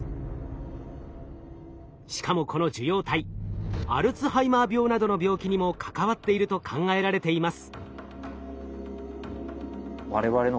しかもこの受容体アルツハイマー病などの病気にも関わっていると考えられています。